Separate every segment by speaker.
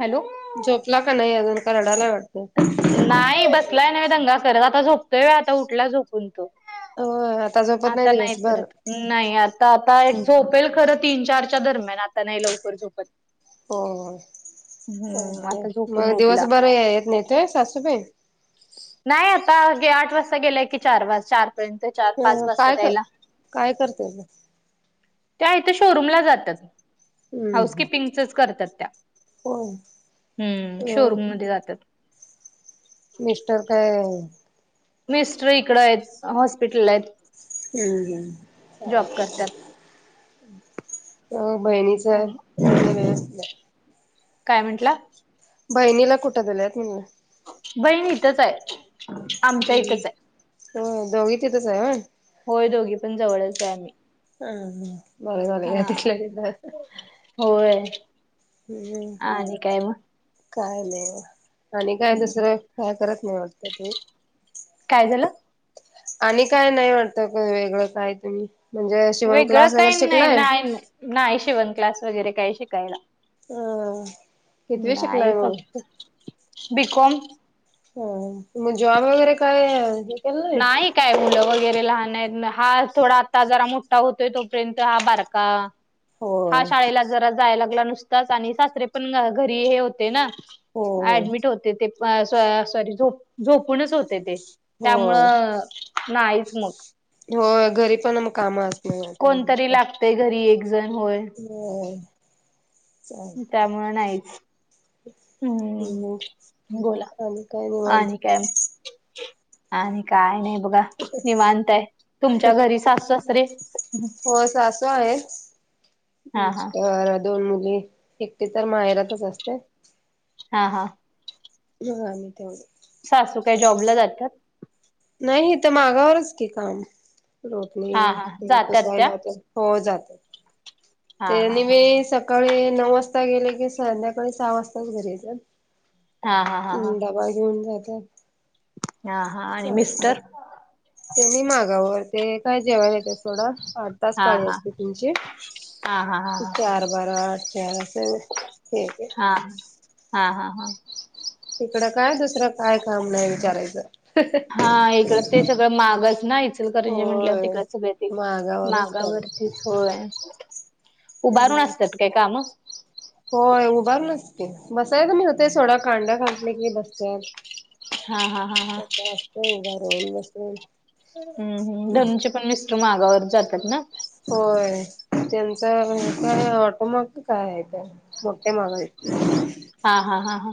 Speaker 1: Hello!
Speaker 2: झोपला का नाही अजून का रडाला वाट
Speaker 1: त नाही बसलाय ना दंगा करत, आता झोपतोय व्हयं आता उठला झोपून तो.
Speaker 2: होय हर
Speaker 1: आता नाही फिरत नाही आता आता एक झोपेल, खरं तीन चारच्या दरम्यान आता नाही लवकर झोपत
Speaker 2: हो हो
Speaker 1: हम्म
Speaker 2: चालतंय,
Speaker 1: आता
Speaker 2: म
Speaker 1: झोपून
Speaker 2: दिवस
Speaker 1: उठला
Speaker 2: बर या येत नाही ते सासूबाई?
Speaker 1: नाही आता आठ वाजता गेलाय, की चार, वाज चार पर्यंत चार पाच
Speaker 2: अ
Speaker 1: वाजता
Speaker 2: काय कर
Speaker 1: दयायला
Speaker 2: काय करते मग
Speaker 1: त्या इथे शोरूमला जातात
Speaker 2: हम्म
Speaker 1: हाऊस
Speaker 2: हम्म
Speaker 1: किपिंगचच करतात त्या
Speaker 2: होय
Speaker 1: हूं
Speaker 2: अ
Speaker 1: शोरूम मध्ये जातात
Speaker 2: मिस्टर काय?
Speaker 1: मिस्टर इकड आहेत हॉस्पिटल आहेत
Speaker 2: हम्म हम्
Speaker 1: जॉब करतात
Speaker 2: ह.. बहिणीच [inaudible] [unintelligible]
Speaker 1: काय म्हंटला?
Speaker 2: बहिणीला कुठं दिलंय तुम्ह
Speaker 1: बहीण इथंच आए. आमचं
Speaker 2: हम्म
Speaker 1: एकच आए.
Speaker 2: होय दोघी तिथंच आहे होय
Speaker 1: होय दोघ ती पण जवळच य आम्मी
Speaker 2: हम्म ह म तिथल्या तिथं
Speaker 1: होय.
Speaker 2: हम्म
Speaker 1: हा आणि काय म
Speaker 2: काय नाही. आणि काय दुसरं? काय करत नाही वाटतं तू.
Speaker 1: काय झालं?
Speaker 2: आणि काय नाई वाटतं वेगळं काय तुम्ही म्हणजे शिवण
Speaker 1: वेगळं
Speaker 2: क्लास वगैरे
Speaker 1: काही नाई,
Speaker 2: शिकलाय
Speaker 1: नाई.. न्हाई शिवण क्लास वगरे काही शिकायला
Speaker 2: अ कितवी
Speaker 1: नाही,
Speaker 2: शिकलाय मग
Speaker 1: फक्त बिकॉम
Speaker 2: ह! मग जॉब वगरे काय हे केलं नाई?
Speaker 1: नाई न.. हा थोडासा जरा मोट्टा होतोय तोपर्यंत हा बारका हा
Speaker 2: होय
Speaker 1: शाळेला जरा जाय लागला नुसताच आणि सासरे पण घरी हे होते ना.
Speaker 2: हो
Speaker 1: ऍडमिट होते ते. पा सॉरी झो झोपूनच होते ते.
Speaker 2: हो
Speaker 1: त्यामुळं नाहीच मग
Speaker 2: हो.. घरी पण म कामं आस
Speaker 1: कोणतरी लागतंय घरी एक जण होय.
Speaker 2: होय चालतंय
Speaker 1: त्यामुळं नाहीच हम्म..
Speaker 2: मग
Speaker 1: बोला
Speaker 2: आणि काय निवांत
Speaker 1: आणि काय म? आणि काय नाही बघा. निवांतए. तुमच्या घरी साऊसासरे
Speaker 2: हो सासू आहे.
Speaker 1: हा हा
Speaker 2: मिस्तर, दोन मुली एकटीच तर माहेरातच असते.
Speaker 1: हा हा..
Speaker 2: यो हा म तेव
Speaker 1: सासू काय जॉबला जातात?
Speaker 2: नाही हितं मागावरच की काम,
Speaker 1: हा
Speaker 2: रोटणी
Speaker 1: हा
Speaker 2: ते
Speaker 1: जातात त्या
Speaker 2: पुसायला तर हो जात
Speaker 1: हा हा
Speaker 2: त्यानी
Speaker 1: हा
Speaker 2: मी सकाळी नऊ वाजता गेले की संध्याकाळी सहा वाजताच घरी येतात.
Speaker 1: हा हा हा हा
Speaker 2: हम् डबा घेऊन जातात.
Speaker 1: हा हा आणि
Speaker 2: चालतंय
Speaker 1: मिस्टर?
Speaker 2: त्यांनी मागावर, ते काय जेवायला येतात. थोडा, आठ तास
Speaker 1: हा
Speaker 2: पाळी
Speaker 1: हा
Speaker 2: असते तुमची?
Speaker 1: हा हा हा हा
Speaker 2: चार बारा आठ चार अस एके
Speaker 1: हा हा हा हा
Speaker 2: इकड काय, दुसरं काय काम नाही विचारायचं.
Speaker 1: हा.. इकडं ते सगळं मागच नाही, इचलकरंजी म्हंटल्यावर
Speaker 2: होय.
Speaker 1: तिकडे सगळं ते
Speaker 2: मागावरच काम
Speaker 1: मागावरतीच होय. उभारून असतात काय काम
Speaker 2: होय.. उभारलं? बसायला मिळतंय सोडा, कांडा घातले कि बसतत.
Speaker 1: हा हा हा हा
Speaker 2: आस्तय उभा राहून बसरून
Speaker 1: हम्म हम. धनुचे पण मिस्टर मागावर जातात ना.
Speaker 2: होय. त्यांचा [unintelligible] ऑटोमाग काय आहे मोठ्ठ्या मागा ए
Speaker 1: हा हा हा हा.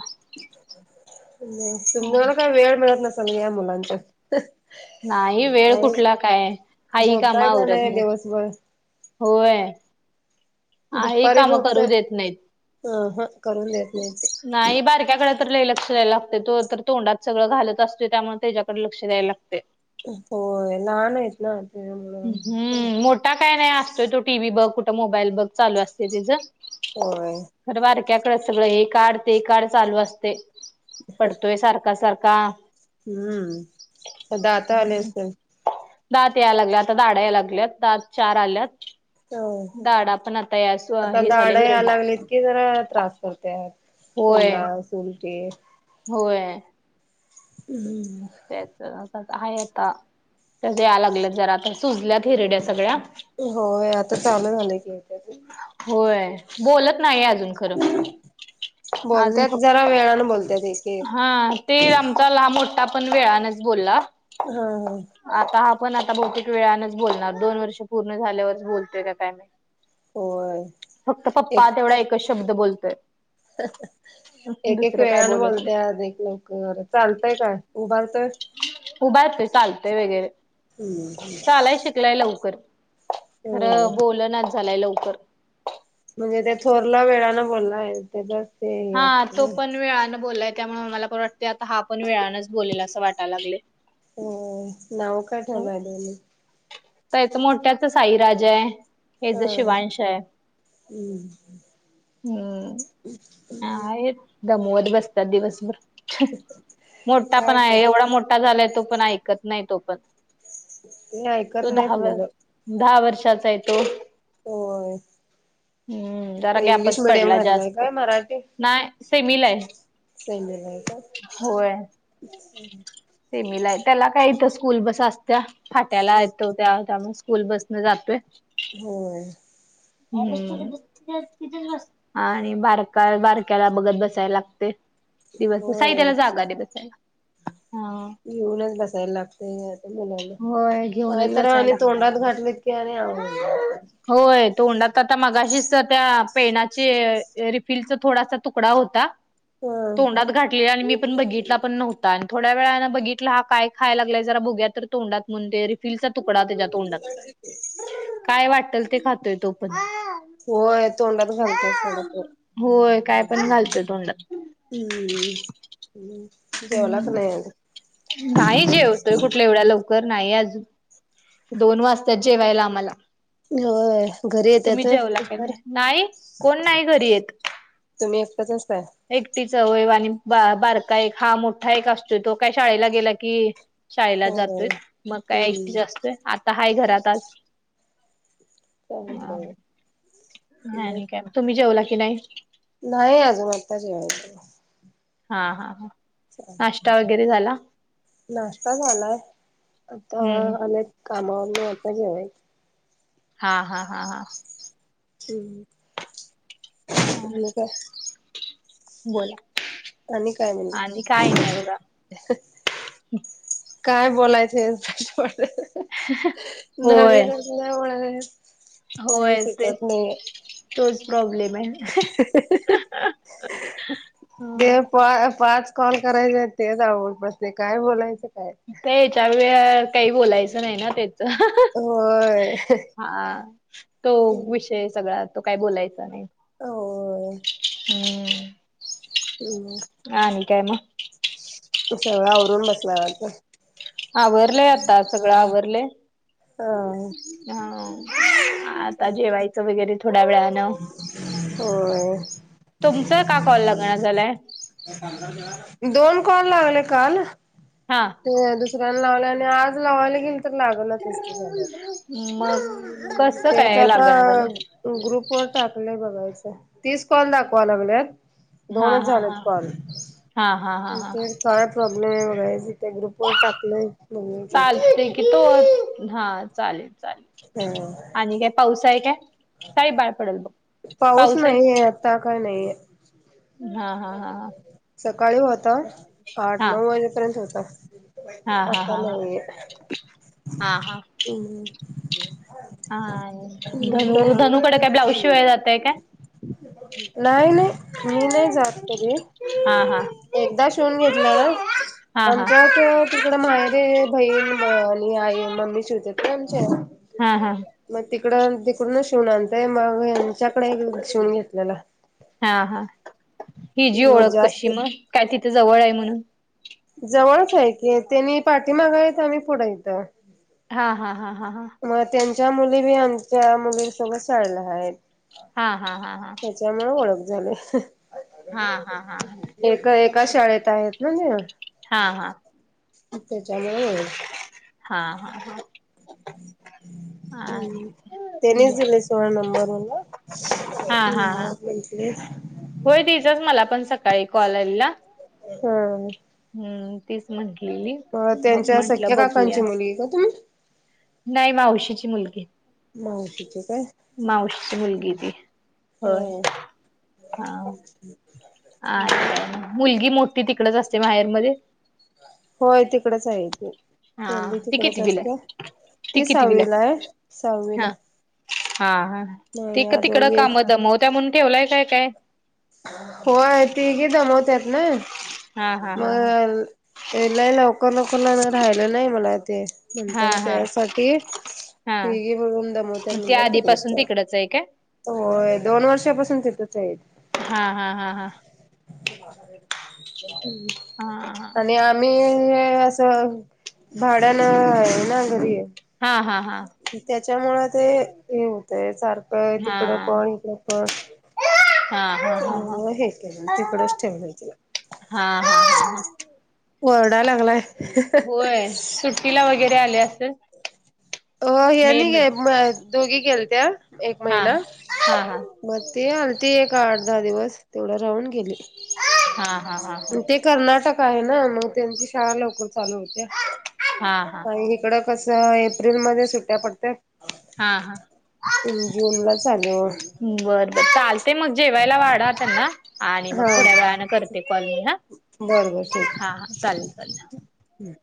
Speaker 2: तुम्हाला काय वेळ मिळत नसल या मुलांच्या
Speaker 1: नाही, वेळ
Speaker 2: आणि
Speaker 1: कुठला काय? आई कामा
Speaker 2: झोपताय का
Speaker 1: आवरत नाही.
Speaker 2: दिवसभर
Speaker 1: होए.. आहे ही
Speaker 2: दुपारी
Speaker 1: काम करू
Speaker 2: झोपताय.
Speaker 1: देत नईत.
Speaker 2: अ ह करून देत नाही ते
Speaker 1: नाही बारक्याकड तर लई लक्ष [unintelligible] लागतय, तो तर तोंडात सगळं घालत असतोय त्यामुळ तेज्याकडं लक्ष द्याय लागतय.
Speaker 2: होय लहान आहेत ना
Speaker 1: हु
Speaker 2: त्याच्यामुळ
Speaker 1: हम्म मोठा काय नाही, असतोय तो टीव्ही बघ कु ट मोबाईल बघ चालू असतय तेज
Speaker 2: होय.
Speaker 1: क्या सगळ हे काढ ते काड चालू असते, पडतोय सारखा सारखा
Speaker 2: हम्म आता दात आले असतील?
Speaker 1: दात यायला लागल्या आता डाडा याय लागल्यात, दात चार आल्यात
Speaker 2: होय.
Speaker 1: डाडा पण आत्
Speaker 2: आता दाड या लागलीत की जरा त्रास करत्यात
Speaker 1: होय
Speaker 2: संडास, उलटी
Speaker 1: होय.
Speaker 2: उ हू
Speaker 1: तेच आता हाय आता, त्याच याय लागल्यात जरा आता सुजल्यात हिरड्या सगळ्या
Speaker 2: होय आता चालू झालेय की
Speaker 1: होय बोलत नाहीे आजून खरं अजून
Speaker 2: बोलत्यात जरा
Speaker 1: फक्,
Speaker 2: वेळानं बोलत्यात एक एक
Speaker 1: हा ते आमचा ला मोठ टा पण वेळानच बोलला.
Speaker 2: हा ह
Speaker 1: आता हा पण आता बहुतेक वेळानच बोलणार, दोन वर्ष पूर्ण झाल्यावरच बोलतोय काय काय माहित
Speaker 2: होय
Speaker 1: फक्त पप्पा
Speaker 2: एक
Speaker 1: तेवढा एकच शब्द बोलतोय.
Speaker 2: एक एक
Speaker 1: दुसरं काय
Speaker 2: वेळान
Speaker 1: बोलत नाही
Speaker 2: बोलत्यात, एक लवकर चालतय काय? उभार तर
Speaker 1: उभा [unintelligible] चालतय वगैरे, चालाय शिकलाय लवकर
Speaker 2: हम्म
Speaker 1: खरं बोलनाच झालाय लवकर
Speaker 2: म्हणजे ते थोरला वेळानं बोललाय तेज्याच
Speaker 1: हा तो पण वेळानं बोल्लाय त्यामुळ मला पर वाटते आता हा पण वेळानच बोलेल असं वाटा लागलय.
Speaker 2: हो, नाव काय ठेवलाय दोनी?
Speaker 1: त्याच मोठ्याच साईराज आय. हेज
Speaker 2: हा
Speaker 1: शीवांश आय,
Speaker 2: हम्म
Speaker 1: हम्म
Speaker 2: हम्म.
Speaker 1: आहेत दमवत बसतात दिवसभर, मोठा पण आहे
Speaker 2: कर
Speaker 1: एवढा मोठा झालाय तो पण ऐकत नाही तो पण,
Speaker 2: ते
Speaker 1: तो
Speaker 2: ऐकत नाहीत
Speaker 1: दहावर
Speaker 2: मुलं
Speaker 1: दहा वर्ष चाय तो
Speaker 2: होय.
Speaker 1: हम्म जरा
Speaker 2: इंग्लिश
Speaker 1: गॅपच
Speaker 2: मिडियम
Speaker 1: पडला
Speaker 2: घातलाय
Speaker 1: जास्त
Speaker 2: काय मराठी
Speaker 1: नाय सेमिला आय
Speaker 2: सेमीला आहे का?
Speaker 1: होय. सेमीलाय, त्याला काय इथं स्कूल बस असत्या फाट्याला
Speaker 2: हो.
Speaker 1: [unintelligible] त्या त्यामुळ स्कु स्कूल बसन जातोय.
Speaker 2: होय.
Speaker 1: हम्म [unintelligible] तिथंच बस, आणि बारकाय बारक्याला बघत बसाय लागतय. दिवस, साई
Speaker 2: होय
Speaker 1: त्याला जागा दे बसायला.
Speaker 2: घेऊनच बसाय लागतय [unintelligible] मुलांना,
Speaker 1: होय
Speaker 2: काय
Speaker 1: घेऊनच
Speaker 2: तर आणि
Speaker 1: बसायला
Speaker 2: तोंडात
Speaker 1: लागत.
Speaker 2: घातलीत की आणि अवघड [unintelligible]
Speaker 1: होय तोंडात आता मगाशीच त्या पेणाची य रिफिलचा थोडासा तुकडा होता. तोंडात घाठले आणि मी पण बघितला पण नव्हता आणि थोड्या वेळान बघितला हा काय खाय लागलाय जरा बघूया तर तोंडात म्हणून ते रिफिलचा तुकडा तेज्या तोंडात, काय वाट टल ते खातोय तो पण
Speaker 2: होय तोंडात घालत्यात सोडा पोरं
Speaker 1: कायपण घलतत
Speaker 2: हम्म जवला क
Speaker 1: हम्म
Speaker 2: नाहीग
Speaker 1: नाही जेवतोय कुठल्या एवढ्या लवकर नाही अजून दोन वाजता्यात जेवायला आम्हाला
Speaker 2: हो घरी येत य
Speaker 1: तुम्ही
Speaker 2: तोय
Speaker 1: जेवला का
Speaker 2: तार
Speaker 1: नाही नाही कोण नाही
Speaker 2: तुम्ही एकतच
Speaker 1: एकटीचवयव आणि बारका एक हा मोठा एक असतोय तो काय शाळेला गेला की शाळेला जातोय
Speaker 2: होय.
Speaker 1: मग काय ऐष्टी
Speaker 2: हम्म
Speaker 1: असतोय आता हाय घरात आज
Speaker 2: चाले का
Speaker 1: नाही नाही का तुम्ही जेवला की नाही
Speaker 2: नाही अजून आता जवाय त
Speaker 1: हा हा हा
Speaker 2: चा नाश्ता झाला आता
Speaker 1: हम्म
Speaker 2: अनेक कामावर न होता जेवय
Speaker 1: हा हा हा हा
Speaker 2: हम्म
Speaker 1: ह
Speaker 2: आणि काय
Speaker 1: बोला
Speaker 2: आणि काय
Speaker 1: आणि काय
Speaker 2: म्हणलं
Speaker 1: नाही बघा
Speaker 2: काय बोलायचं त्याच्या
Speaker 1: होय
Speaker 2: नवीन असल्या म्हणा काही
Speaker 1: होय ते
Speaker 2: फिकिकत नाही
Speaker 1: तोच प्रॉब्लेम आहे
Speaker 2: ते पा पाच कॉल करायचा ते जा आवडपासते काय बोलायचं काय
Speaker 1: ते याच्या वळ काही बोलायचं नाही ना ते
Speaker 2: होय
Speaker 1: हा तो विषय सगळ्यात तो काय बोलायचा नाही
Speaker 2: हो
Speaker 1: हम्म
Speaker 2: हम्
Speaker 1: आणि काय म
Speaker 2: सगळं आवरून बसलावरत
Speaker 1: आवरले आता सगळं आवरले
Speaker 2: हा
Speaker 1: हा आता जेवायचं वगैरे थोड्या वेळानं
Speaker 2: होय
Speaker 1: तुमचा का कॉल लागणार झालाय
Speaker 2: दोन कॉल लागले काल
Speaker 1: हा
Speaker 2: लावलं आणि आज लावायला गेल तर लाग ना तस झालं
Speaker 1: मस
Speaker 2: त्याच आता ग्रुप वर टाकलंय बघायचं तीच कॉल दाखवा लागल्यात
Speaker 1: हा
Speaker 2: दोनच
Speaker 1: हा
Speaker 2: झालेत
Speaker 1: हा.
Speaker 2: काल
Speaker 1: हा हा हा हा
Speaker 2: ते काय प्रॉब्लेम आहे इथ ग्रुप वर टाकलंय बघायचं आता
Speaker 1: चालते की तो हा चालेल चा
Speaker 2: हा
Speaker 1: आणि काय पाऊस आहे काय काळी बाळ पडेल बघ
Speaker 2: पाऊस
Speaker 1: आहे का?
Speaker 2: नाहीये आता काय नाहीये
Speaker 1: हा हा हा हा
Speaker 2: सकाळी होता आठ
Speaker 1: हा
Speaker 2: नऊ वाजेपर्यंत होता
Speaker 1: हा हा
Speaker 2: आता
Speaker 1: हा
Speaker 2: नाहीये
Speaker 1: हा हा हा
Speaker 2: हम्म
Speaker 1: हा धनू
Speaker 2: काय
Speaker 1: धनुकडे काय ब्लाऊज शिवाय जातय काय
Speaker 2: नाही नाही मी नाही जात तरी
Speaker 1: हा हा
Speaker 2: एकदा शिवून घेतलं
Speaker 1: हा हा
Speaker 2: आमच्याच तिकडं माहेरे बहीण आणि आई मम्मी शिवतेात ना आमच्या
Speaker 1: हा हा
Speaker 2: मग तिकड तिकडून शिवून आणताय माग यांच्याकडे क्षषण घेतलेला
Speaker 1: हा हा हि जी
Speaker 2: मग
Speaker 1: ओळख कशी
Speaker 2: जास्त
Speaker 1: मग काय तिथे जवळ आहे म्हणून
Speaker 2: जवळच आहे की त्यांनी पाठी मागावीेत आम्ही पुढे इथं
Speaker 1: हा हा हा
Speaker 2: मग त्यांच्या मुली बी आमच्या मुलीसोबत साळल्या आहेत
Speaker 1: हा हा हा हा
Speaker 2: त्याच्यामुळे ओळख
Speaker 1: हा हा हा
Speaker 2: एका एका शाळेत आहेत ना नि
Speaker 1: हा हा
Speaker 2: त्याच्यामुळे बरोते
Speaker 1: हा हा हा हा
Speaker 2: हम्म त्यानीच
Speaker 1: बर
Speaker 2: दिले सोळा नंबर वला
Speaker 1: हा हा हा
Speaker 2: ह् बोल
Speaker 1: होय दचस मला पण सकाळी कॉल आली ना
Speaker 2: हा
Speaker 1: तीच म्हटलेली मग
Speaker 2: त्यांच्या
Speaker 1: म्हंटलं
Speaker 2: सख्या
Speaker 1: बघूया
Speaker 2: काकांची मुलगी का तुम्ही
Speaker 1: नाही मावशीची मुलगी
Speaker 2: मावशीचे काय
Speaker 1: मावशीची मुलगी ती होय
Speaker 2: हो.
Speaker 1: हा अछ मुलग मोठी तिकडच असते माहेरमध्येध्ये
Speaker 2: होय तिकडेच आहे ते
Speaker 1: हा
Speaker 2: तोंली
Speaker 1: ती
Speaker 2: तिकडेच
Speaker 1: कितवीला
Speaker 2: असते
Speaker 1: आहे
Speaker 2: ती सववीला आहे साहावीला
Speaker 1: हा हा हा त तिकडं काम दमवत्या म्हणून ठेवलाय काय काय
Speaker 2: होय तीघे दमवतत ना
Speaker 1: हा हा हा
Speaker 2: मग ल लवकर लवकर ल राहिलं नाही मला ते
Speaker 1: हा
Speaker 2: म्हणताना
Speaker 1: हा हा
Speaker 2: त्यासाठी
Speaker 1: हा
Speaker 2: ते म रम दमवत
Speaker 1: मग ती
Speaker 2: नंतर तिकडेचत
Speaker 1: आधीपासून तिकडच आहे काय
Speaker 2: होय दोन वर्षापासून तथच आहे
Speaker 1: हा हा हा हा हा
Speaker 2: आणि आम्ही हे भाड्या न आहे ना घरी
Speaker 1: हा हा हा हा
Speaker 2: त्याच्यामुळे ते हे होतंय सारखं
Speaker 1: हा
Speaker 2: तिकडा
Speaker 1: हा
Speaker 2: पाणी कप
Speaker 1: हा हा
Speaker 2: च
Speaker 1: हा
Speaker 2: म हे के ना तिकडेच ठेव तिला
Speaker 1: हा हा हा
Speaker 2: होरवढालांगय
Speaker 1: होय सुट्टीला वगैरे आले असे
Speaker 2: हो हनी घ दोघी केल त्या एक
Speaker 1: हा
Speaker 2: महिना
Speaker 1: हा
Speaker 2: मग ते आलती एक आठ दहा दिवस तेवढा राहून गेली
Speaker 1: हा हा हा हा
Speaker 2: काय ना मग त्यांची शाळा लवकर चालू होत्या
Speaker 1: हा हा
Speaker 2: आणि इकड कस फ्रिल म सुट्या पडत
Speaker 1: हा हा
Speaker 2: जून ला चालू
Speaker 1: बर बर चालते मग जेव वेला वाढा त्यां ना आणि मग
Speaker 2: हा
Speaker 1: थोड्या वेळने करते कॉलनी हा हा हा चालेल चालेल
Speaker 2: हम्